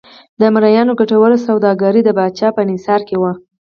د مریانو ګټوره سوداګري د پاچا په انحصار کې وه.